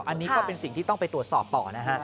อันนี้ก็เป็นสิ่งที่ต้องไปตรวจสอบต่อนะฮะ